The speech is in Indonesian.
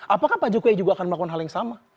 apakah pak jokowi juga akan melakukan hal yang sama